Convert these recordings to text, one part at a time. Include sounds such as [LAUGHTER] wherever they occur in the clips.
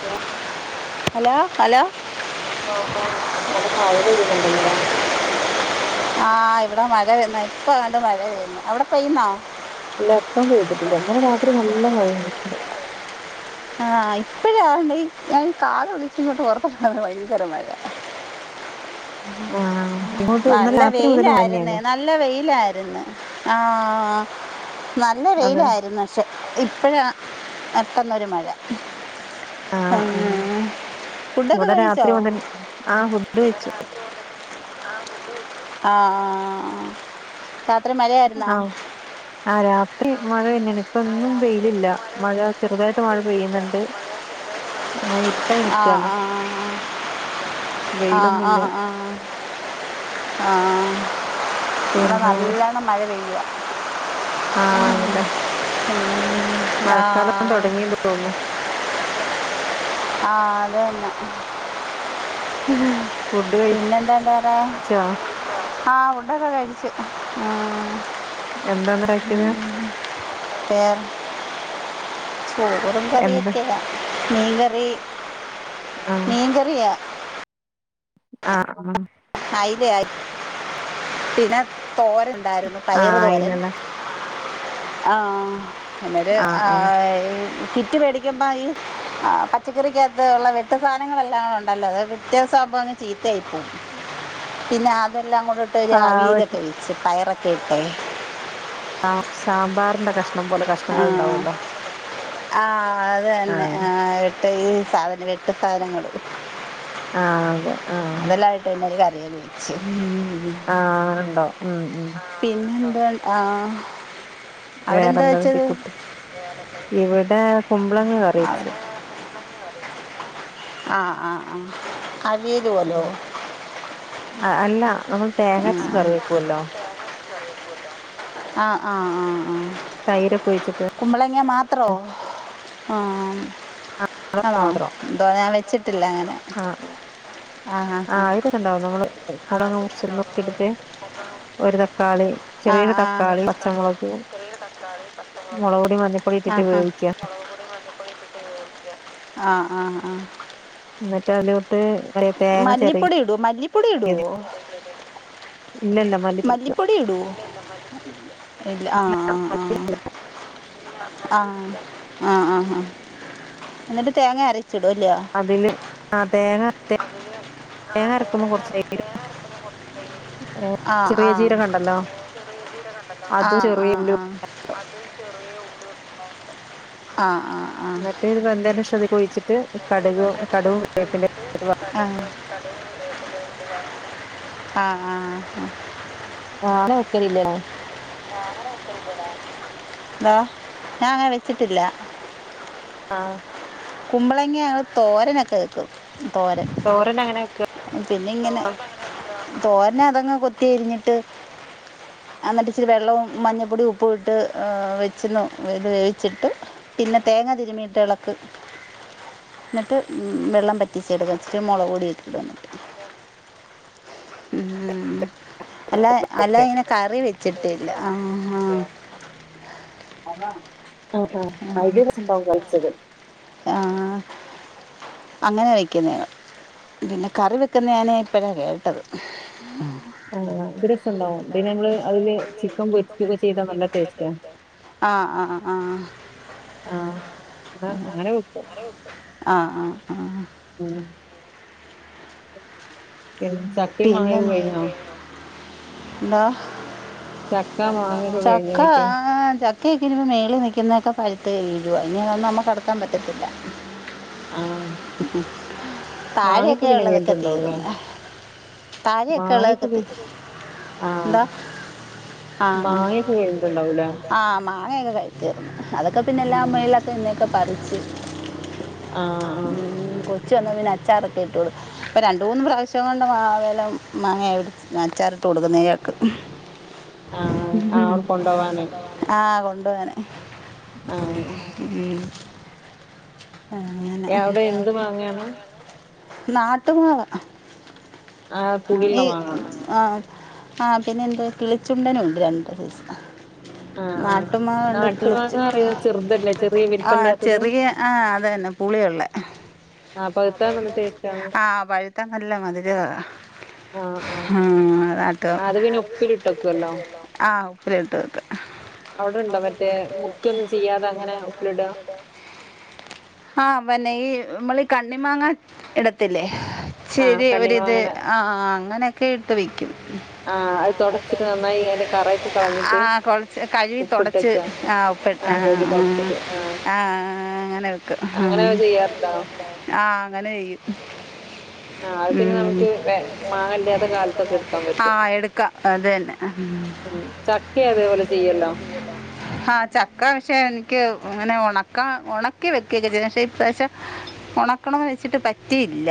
ഓ hello hello ആഹ് ആഹ് അവിടെ മഴ പെയ്യുന്നുണ്ട്ലേ ആഹ് ഇവിടെ മഴ വന്ന ഇപ്പ അണ്ട് മഴ പെയുന്നു അവിടെ പെയ്യുന്നോ ഇല്ല പ്പം പെയ്തിട്ടില്ല ന്നലെ രാത്രി നല്ല മഴയ്തിട്ടുണ്ട് ആഹ് ഇപ്പഴാണ്ട് ഞാൻ കാലൊളിച്ചി ഇങ്ങോട്ട് [UNINTELLIGIBLE] ഭയങ്കര മഴ ആഹ് ഇങ്ങോട്ട് ഇന്നലെ നല്ല രാത്രി മുതൽ മഴ വെയിലായിരുന്നു തന്നെയാണ് എന്നാ നല്ല വെയിലായിരുന്നു ആ നല്ല അതെ വെയിലായിര്ന്ന് പക്ഷെ ഇപ്പോഴാ പെട്ടന്നൊരു മഴ ആഹ് ആ ഉം. ഫുഡൊക്കെ ഇവിടെ രാത്രി മുതൽ ആഹ് ഫുഡ് കഴിച്ചു ആഹ് ആഹ് രാത്രി മഴയായിരുന്നോ ആ രാത്രി മഴ [UNINTELLIGIBLE] ഇപ്പ ഇന്നും വെയിലില്ല മഴ ചെറുതായിട്ട് മഴ പെയ്യുന്നുണ്ട് അങ്ങനെ ഇരുട്ടായി ആഹ് നിക്കാണ് ആഹ് വെയിലൊന്നുല്ല ആഹ് ആഹ് ആഹ് ആ ഇവ്ടെ പിന്നെ നല്ലോണം മഴ പെയ്യ ആഹ് അതല്ലേ പിന്നെ- ആ മഴക്കാലം തുടങ്ങിയെന്ന് തോന്നുന്നു ആ അതന്നെ ഉം ഫുഡ് പിന്നെന്താന്താ കഴിച്ചോ [UNINTELLIGIBLE] ആ ഫുഡൊക്കെ കഴിച്ചു ആഹ് എന്താ ഇണ്ടാക്കിയത് പേർ ചോറും കറി എന്ത് ഒക്കെയാ മീൻകറി ആഹ് മീൻകറിയാ ആഹ് ആഹ് അയിലയാ പിന്നെ തോരനുണ്ടായിരുന്നു പയറു ആഹ് തോരൻ ഇല്ലല്ലേ ആ പിന്നൊരു ആഹ് ആ ആഹ് കിറ്റ് മേട ഈ പച്ചക്കറിക്കാത്ത് ഒള്ള വെട്ട് സാധനങ്ങളെല്ലാം ഉണ്ടല്ലോ അത് പിറ്റേസാമ്പ അ ചീത്തേയി പോവും പിന്നെ അതെല്ലാം ഇട്ട് ഒരു ആഹ് അവിയലൊക്കെ വെച്ച് പയറൊക്കെ ഇട്ടേ സാമ്പാറിന്റെ കഷ്ണം പോലെ കഷ്ണങ്ങൾ ഉണ്ടാവല്ലോ ആ അത് തന്നെ ആഹ് ആ എട്ട് ഈ സാധനം വെട്ട് സാധനങ്ങൾ ആഹ് അതെ ആഹ് ഇതെല്ലാം ഇട്ട് പിന്നെ ഒരു കറിയങ്ങ് വെച്ച് ആ ഉണ്ടോ ഉം ഉം പിന്നെ എന്താ ആഹ് അവിടെ എന്താ വേറെന്താ വെച്ചത് കുട്ടി ഇവിടെ കുമ്പളങ്ങ ആഹ് കറിവെച്ചു ആഹ് ആഹ് ആഹ് അവിയലു പോലോ ആ അല്ല നമ്മള് തേങ്ങരച്ച് ആഹ് കറിവെക്കുവല്ലോ ആഹ് ആഹ് ആഹ് ആഹ് തൈരൊക്കെ ഒഴിച്ചിട്ട് കുമ്പളങ്ങ മാത്രോ ആ ആണോ മാത്രം ട്ടോ ഞാൻ വെച്ചിട്ടില്ല അങ്ങനെ ആഹ് ആഹ് ആഹ് തയിരൊക്കെണ്ടാവും നമ്മള് കുമ്പളങ്ങ മുറിച്ച് നുറുക്കിയെടുത്ത് ആഹ് ഒരു തക്കാളി ആഹ് ചെറിയൊരു തക്കാളി പച്ചമുളക് ആഹ് ആഹ് മുളക് പൊടി മഞ്ഞപ്പൊടി ഇട്ടിട്ട് വേവിക്കുക ആഹ് ആഹ് ആഹ് ന്നിട്ട് അതിലോട്ട് തേങ്ങ മല്ലിപ്പൊടി ചിരകിയത് ഇടോ മല്ലിപ്പൊടി ഇടോ മല്ലിപ്പൊടി ഇടുവോ ഇല്ല ആഹ് ആഹ് ആഹ് ആഹ് ആഹ് ആഹ് എന്നിട്ട് തേങ്ങ അരച്ചിടോ ഇല്ലോ അതില് ആ തേങ്ങ തേങ്ങ അരക്കുമ്പോ കുറച്ച് [UNINTELLIGIBLE] ആഹ് ചെറിയ ആഹ് ജീരകണ്ടല്ലോ അതും ആഹ് ആഹ് ആഹ് ചെറിയ ഉള്ളി ആഹ് ആഹ് ന്നിട്ട് വെന്ധേന് ശേഷം ഇത് കൊഴിച്ചിട്ട് കട്ക് കട് ക് ആഹ് ആഹ് ആഹ് [UNINTELLIGIBLE] [UNINTELLIGIBLE] എന്താ ഞാൻ അങ്ങനെ വെച്ചിട്ടില്ല. ആഹ് കുമ്പളങ്ങ തോരനൊക്കെ വെക്കും. തോരൻ. തോരനെങ്ങനാ വെക്ക? പിന്നെ ഇങ്ങനെ തോരനു അതങ്ങ് കൊത്തി അരിഞ്ഞിട്ട്. എന്നിട്ട് ഇച്ചിരി വെള്ളവും മഞ്ഞപ്പൊടിയും ഉപ്പും ഇട്ട് വെച്ചിരുന്നു ഇത് വേവിച്ചിട്ട്. പിന്നെ തേങ്ങ തിരുമീട്ട് ഇളക്ക് എന്നിട്ട് വെള്ളം പറ്റി ച്ചടുക്കും ഇച്ചിരി മുളക് പൊടികൂടി ഇട്ട് വന്നിട്ട്. ഉം അല്ല. അല്ലാതെ ഇങ്ങനെ കറി വെച്ചിട്ടില്ല ആഹ് ആഹ് ആഹ് ആഹ് [UNINTELLIGIBLE] ആഹ് അങ്ങനെ വെക്കുന്നേന് പിന്നെ കറി വെക്കുന്ന ഞാൻ ഇപ്പഴാണ് കേട്ടത്. ആഹ ഇത് രസംണ്ടാവും പിന്നെ നമ്മള് അതില് ചിക്കൻ പൊരിക്കൊക്കെ ചെയ്താ നല്ല ടേസ്റ്റ. ആഹ് ആഹ് ആഹ് ആഹ് ആഹ് അങ്ങനെ വെക്കാ. ആഹ് ആഹ് ആഹ് ആഹ് [UNINTELLIGIBLE] ചക്കി മാങ്ങി ഒക്കെ കഴിഞ്ഞോ? എന്തോ [UNINTELLIGIBLE] ചക്ക ആഹ് മാങ്ങയൊക്കെ ചക്ക. കഴിഞ്ഞോയ്ക്കാ ഒകെ മേളിൽ നിക്കുന്നൊക്കെ പഴുത്ത് വീഴുക ഇങ്ങനെയൊന്നും നമുക്ക് അടുക്കാൻ പറ്റത്തില്ല. ആഹ് [UNINTELLIGIBLE] മാങ്ങയൊക്കെ താഴയൊക്കെ പിന്നെ ഉള്ളതൊക്കെ കഴിഞ്ഞിട്ടുണ്ടാവുംല്ലേ തീർന്ന്. താഴെ ഒക്കെ ഉള മാങ്ങയൊക്കെ തൊക്കെത്തിർന്ന് ആഹ് എന്തോ? ആഹ് ആഹ് മാങ്ങയൊക്കെ കഴിഞ്ഞിട്ടുണ്ടാവൂല്ലേ ആഹ് മാങ്ങ. മാങ്ങക്കൊ കഴി തീർന്ന് അതൊക്കെ പിന്നെ എല്ല ആഹ് മേളിലൊക്കെ നിന്നെയൊക്കെ പറിച്ച്. ആഹ് കൊച്ച് വന്നാ പിന്നെ അച്ചാറൊക്കെ ഇട്ട് കൊടുക്കും. ഇപ്പൊ രണ്ട് മൂന്ന് പ്രാവശ്യംകൊണ്ട് മാ വല മാങ്ങെഅച്ചാറിട്ട് കൊടുക്കുന്നയാൾക്ക് [INAUDIBLE] ആഹ്, ആഹ് അവർകൊണ്ടോവാനെയ്. ആഹ് കൊണ്ടോവാന് ആഹ് ഉം യവുടെ എന്ത്മാങ്ങെയാണ്. നാട്ടുമാവാ ആഹ് പുളിയുള്ള ഈ മാങ്ങ ആഹ് ആഹ് പിന്നെ എന്ത് കിളിച്ചുണ്ടനും ഉണ്ട് രണ്ട് സൈസ്. ആഹ് ആഹ് നാട്ടു ന്നാട്ടുമ്മകണ്ട്ള്ളത് മാങ്ങ അറിയ ചെറുതല്ലേ ചെറിയ ആഹ് വലിപ്പല്ലാത്തത് ചെറിയേ ആഹ് അതെന്നെ പുളിയുള്ളേ. ആഹ് പഴുത്താ നല്ല ടേസ്റ്റ് ആണ് ആഹ് പഴുത്താൽ ന്നല്ലെമധുരവാ. ആഹ് ആഹ് ഹാഹ് അതാട്ടോ ആ, അത് പിന്നെ ഉപ്പിലിട്ടക്കുവല്ലോ [UNINTELLIGIBLE] ആഹ് ഉപ്പില്ട്ട് വെക്കും. അവ്ടെണ്ടോ മറ്റേ മുർച്ചൊന്നും ചെയ്യാതെഅങ്ങനെ ഒപ്പിലിടാ? ആഹ് പന്നെ ഈ ന്നമ്മളീ കണ്ണിമാങ്ങ ഇടത്തില്ലേ? ആഹ് ച്ചിരി ഒരിത് കണ്ണിമാങ്ങനെ ആഹ് അങ്ങനെയൊക്കെ ഇട്ട് വെക്കും. ആഹ് അത് തുടച്ചിട്ട് നന്നായി അതിന്റെ കറയൊക്കെ കളഞ്ഞിട്ട് ആഹ് കോൾച്ച് കയുവി തോട്‌ച്ച് ഉപ്പിട്ടക്ക ആഹ് ഉപ്പി ആ ആ കഴുകി തുടച്ചിട്ട് ആഹ് ആ ആ ങ്ങനെവെക്കും ഹ അങ്ങനെ ചെയ്യാറുണ്ടോ ആ അങ്ങനെയ്യും. ആ അത്പിന്നെ ന്നമുക്ക് വെ മാങ്ങല്ലാത്ത കാലത്തൊക്കെ ഇട്ക്കാൻ ആ പറ്റും. എടുക്കാം അത് തന്നെ ഉം ചക്കിംഅതേപോലെചെയ്യല്ലോ? ഹാ ചക്കപക്ഷെ എനിക്ക് അങ്ങനെ ഉണക്കാ ഉണക്കിവെക്കെരുത് ഷേ പഷം ഒണക്കണംന്ന് വെച്ചിട്ട് പറ്റിയില്ല.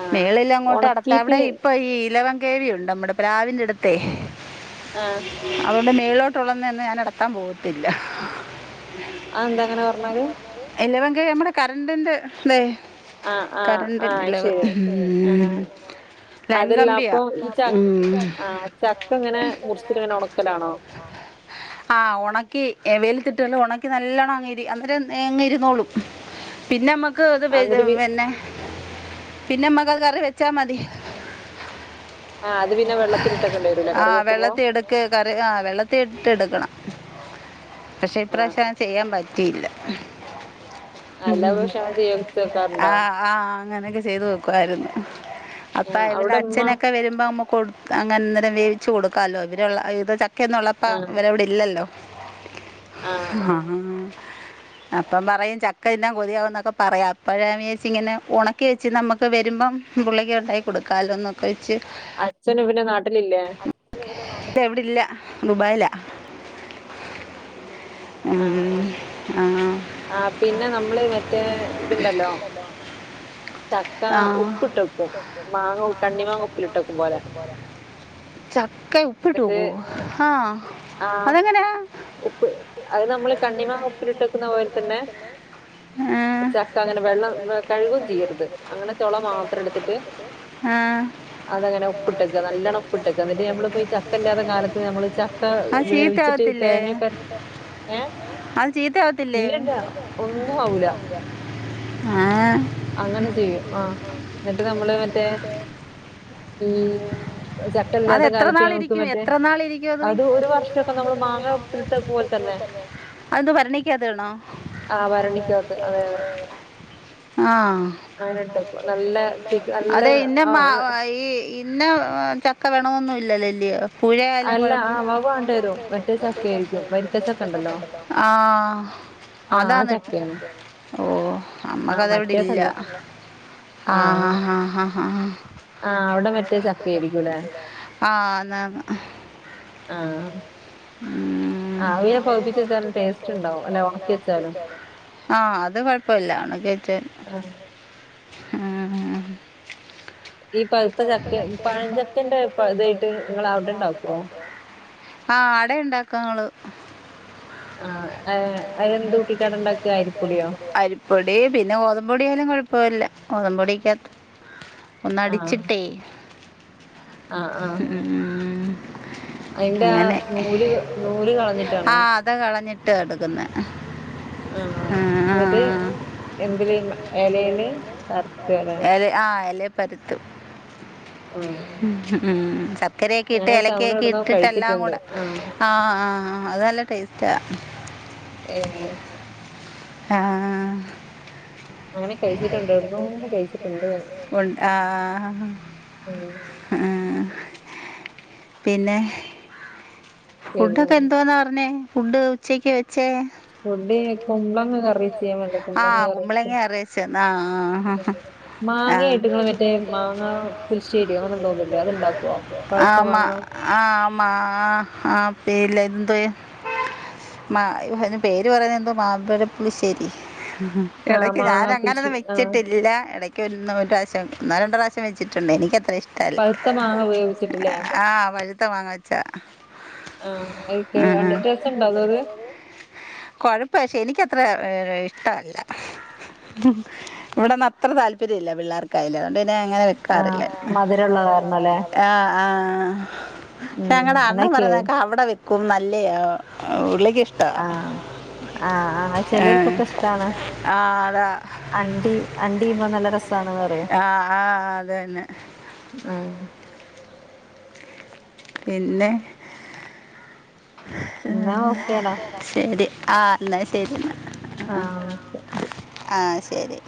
ആഹ് മേളലങ്ങോട്ട് ഒണക്കീട്ട് അട്ത്തഅവിടെ ഇപ്പം ഈ ഇലവംകേവിയുണ്ട് ന്നമ്മടെ പ്രാവിന്റെടുതെയ് ആഹ് അതോണ്ട് മേളിലോട്ടൊള്ളൊന്നും ഞാൻനടത്താൻ പോകത്തില്ല. അഎന്താ അങ്ങനെപറഞ്ഞാല്? ഇലവൻകേ മ്മടെ കർണ്ടിതെ ആഹ്, ആഹ്, അഹ് ശെരി ഉം. ആഹ് ലൈൻ കമ്പിയാ അതെല്ലപ്പോ ഈ ച ഉം. ആ ചക്കങ്ങനെ മുറിച്ചിട് ഇങ്ങനെ ഒണക്കലാണോ? ആ ഒണക്കി വെയ്ലത്തിട്ട്ല്ല ഒണക്കി ന്നല്ലേണം അങ്ങരി അന്നേരംങ്ങ ന്നോളും പിന്നെമ്മക്ക് അത് എന്നിട്ട് പി പിന്നെ പിന്നെമ്മക്കാ കറിവെച്ചാമതി. ആ അത്പിന്നെവെള്ളത്തിലിട്ട് വെക്കേണ്ടിരൂലേ കറിവെക്കുമ്പോ? ക്ക് കറി ആവെള്ളത്തി ഇട്ട്എടുക്കണം ആഹ് പക്ഷെഇപ്രാവശ്യം ചെയ്യാൻ പറ്റ റ്റിയില്ല അല്ലാവർഷങ്ങനെ ചെയ്യോ ആ ആ അങ്ങനെയൊക്കെ ചെയ്തുവെക്കുവായിരുന്നു. ആഹ് അപ്പൊഇവര്ടെ അവിടെ ഉമ്മ അച്ഛനൊക്കെ വെരുമ്പോ അമ്മക്കോട് അങ്ങന്നേരം വേവിച്ച് കൊടുക്കാലോ ഇവരുള്ള ഇത്ചക്കയൊന്നും ഉള്ളപ്പ ആഹ് ഇവരവിടെ ഇല്ലല്ലോ ആഹ് ആഹ് അപ്പം പറയു ചക്കതിന്നാന് കൊതിയാകുന്നൊക്കെ പറയാ അപ്പയാ വിജാരിച് ഇങ്ങനെ ഒണക്കിവെച്ച് ന്നമ്മ പ്പവെരുമ്പം പുള്ളിക് ഒണ്ടാക്കി കൊടുക്കാലോന്നൊക്കെ വെച്ച് അച്ഛനു പിന്നെ നാട്ടിലില്ലേ? ബെവിടെല്ല ദുബായിലാ. ആ ആ ഉം. ആ ആപിന്നെ നമ്മള് മറ്റേ ഇത്ണ്ടല്ലോ ആഹ് ഉപ്പിട്ടക്കും മാങ്ങ കണ്ണിമാങ്ങ ഉപ്പിലിട്ടക്കും പോലെ ചക്ക ഉപ്പ്ട്ട് എന്നിട്ട് വെക്കോ ആ ആഹ് അതെങ്ങനാ? അത് ഉപ്പ് അത് നമ്മള് കണ്ണിമാങ്ങ ഉപ്പിലിട്ട് നമ്മൾകണ്ണിമാങ്ങഉപ്പിലിട്ട് വെക്കുന്ന പോലെതന്നെ ചക്കഅങ്ങനെവെള്ളം വെ കഴ്കും ചെയ്യ രുത് അങ്ങനെ ചൊള മാത്രം എടുത്തിട്ട് ആ അതങ്ങനെ ഉപ്പിട്ട് വെക്ക നല്ലോണ്ണം ഉപ്പ് ന്നിട്ട് നമ്മളിപ്പോ ചക്ക ഇല്ലാത്ത കാലത്ത് നമ്മള് ചക്ക അത് വേവിച്ചിട്ട് ചീത്തയാവത്തില്ലേ തേങ്ങ ഒക്കെ അരച്ച് ഏ അത് ഇല്ലില്ല ഒന്നും ആവൂല. ആഹ് അങ്ങനെ ചെയ്യും ആ ന്നിട്ട് നമ്മള് മറ്റേ ഈ ചക്ക അത് ഇല്ലാത്ത എത്ര കാലത്ത് ഞമ്മക്ക് നാളിരിക്കും മറ്റേ എത്ര നാളിരിക്കും അത് ഒരു വർഷൊക്കെ നമ്മള് മാങ്ങ ഉപ്പിലിട്ട് വെക്കും പോലെ ഉപ്പിലിട്ടെക്കുമ്പോൽ തന്നെ. അത് എന്തോ ഭരണിക്കകത്ത്ടണോ? ആ ഭരണിക്കകത്ത് ആ ആ അങ്ങനെ ഇട്ട് വെക്കും നല്ല തിക്ക് നല്ല അതെ ഇന്ന മ ആ ഈ. ഇന്ന ചക്ക വെണോന്നും ഇല്ലല്ലെ ല്ല്യേ പുഴയായാലും അല്ല കുഴപ്പ ആ വവ്വ കൊണ്ടരും മറ്റേ ചക്കയായിരിക്കും വരിക്കച്ചക്ക ഉണ്ടല്ലോ [UNINTELLIGIBLE] ആ. അതാണ് ആ ചക്കയാണ് ഓ ആ നമ്മക്ക് അതവിടെ ഇല്ല. മറ്റേതല്ല ആ ആഹ് ഹ ഹ ഹ ഹാ ആ അവിടെ മറ്റേ ച ചക്കയാരിക്കുല്ലേ ആ ആന്നാന്ന്. ആഹ് ഉം. ആവിൽ പൊകപ്പിച്ച് വെച്ചാലും ടേസ്റ്റ് ഉണ്ടാവും അല്ലെ ഉണക്കി വെച്ചാലും. ആ അത് കൊഴപ്പമില്ല ഉണക്കി വെച്ച. ആ ആ. ഈ പഴുത്ത ചക്ക പഴം ചക്കന്റെ ഇതായിട്ട് നിങ്ങൾ അവിടെ ഉണ്ടാക്കോ. ആ ആടെ ഉണ്ടാകും ഞങ്ങള്. ആ അത് എന്ത് കൂട്ടിട്ട അവിടെ ഉണ്ടാക്ക അരിപൊടിയോ. പൊടി പിന്നെ ഗോതമ്പൊടിയായാലും കുഴപ്പമില്ല ഗോതമ്പോപൊടിക്കാത്ത്. ഒന്ന് ആ അടിച്ചിട്ടേ. ആ ആ. ഉം. അതിന്റെ ആ അങ്ങനെ നൂല് നൂല് കളഞ്ഞിട്ടാണോ. ത് കളഞ്ഞിട്ട് എടു. [UNINTELLIGIBLE] ആ എന്നിട്ട് എന്തില് എലയില് പരത്ത അല്ലേ. ഇല ആ എലേ പരത്തും. ആ ഉം ചക്കരയൊക്കെ ഇട്ട് ഞാന് എലയ്ക്ക തവണ ഒക്കെ എവിടുന്നോ ഇട്ടിട്ട് എല്ലാം കഴിച്ചിട്ടുണ്ട് കൂടെ. ആഹ് ആ ആ അത് നല്ല ടേസ്റ്റാ. ഏ. ആ. അങ്ങനെ കഴിച്ചിട്ടുണ്ട് എവിടുന്നോ കഴിച്ചിട്ടുണ്ട്. ആ പിന്നെ. പിന്നെ ഫുഡൊക്കെ എന്തോന്ന പറഞ്ഞേ ഫുഡ് ഉച്ചക്ക് വെച്ചേ. ഫുഡ് കുമ്പളങ്ങ കറി വെച്ചത് ആ കുമ്പളങ്ങ കറിവെച്ച ആ ആ. ഉം. ആ. മാങ്ങയായിട്ട് ഇങ്ങള് മറ്റേ മാങ്ങ [UNINTELLIGIBLE] പുളിശ്ശേരിയോ അങ്ങനെ എന്തോന്നില്ലേ അത്ണ്ടാക്കുവോ [UNINTELLIGIBLE] ആ പഴുത്ത മാ. മാങ്ങ ആ മാ ആ പേരിൽ എന്തോ. മ യ്യോ അതിൻ്റെ പേര് പറയുന്ന എന്തോ മാമ്പഴപുളിശേരി. ആഹ് ഇടക്ക് മാങ്ങ ഞാൻ പുളിശ്ശേ അങ്ങനൊന്നും ആഹ് വെച്ചിട്ടില്ല ഇട. ഒരു പ്രാശം ഒന്നോ രണ്ടോ പ്രാശം വെച്ചിട്ടുണ്ട് എനിക്കത്ര ഇഷ്. പഴുത്ത മാങ്ങ വേവിച്ചിട്ടില്ലേ [UNINTELLIGIBLE] പഴുത്ത മാങ്ങ വെച്ചാ. ആ [UNINTELLIGIBLE] നല്ല ടേസ്റ്റ് ഉണ്ടോ അത് അത്. കൊഴപ്പ പക്ഷെ എനിക്കത്ര ഇഷ്ടമല്ല ഇവിടന്ന് അത്ര താല്പര്യം ഇല്ല പിള്ളേർക്കായലും അതുകൊണ്ട് പിന്നെ അങ്ങനെ വെക്കാറ്. മധുരള്ളകാരണല്ലേ? ആഹ ആഹ ഞങ്ങളടെ അണ്ണ അങ്ങനൊക്കെ പറഞ്ഞേക്കെ അവിടെ വി നല്ല ഉള്ളക്ക്ഷ [UNINTELLIGIBLE] ആഹ ആഹ് ആഹ ചിലർക്കൊക്കെ ഇഷ്ടാണ്. ആ അതാ അണ്ടി അണ്ടിമ്പ നല്ലരസ ആഹ് ആ അത തന്നെ. ആ. പിന്നെ ഹ് എന്നാ ഓക്കേടാ ശരി ആ എന്നാ ശരി ന്നാആ ആഹ് ഓക്കെ ആ ശരി.